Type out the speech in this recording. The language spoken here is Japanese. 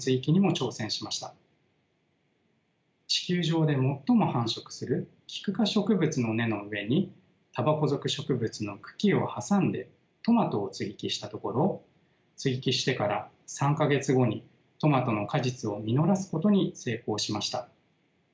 地球上で最も繁殖するキク科植物の根の上にタバコ属植物の茎を挟んでトマトを接ぎ木したところ接ぎ木してから３か月後にトマトの果実を実らすことに成功しました。